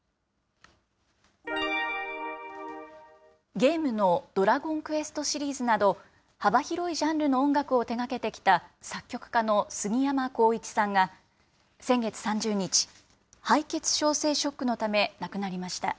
ゲームのドラゴンクエストシリーズなど、幅広いジャンルの音楽を手がけてきた作曲家のすぎやまこういちさんが、先月３０日、敗血症性ショックのため亡くなりました。